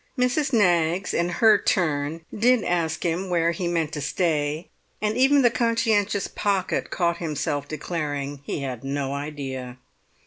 Mrs. Knaggs in her turn did ask him where he meant to and even the conscientious Pocket caught himself declaring he had no idea.